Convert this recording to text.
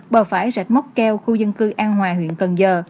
bờ phải rạch mốc keo khu dân cư an hòa huyện cần giờ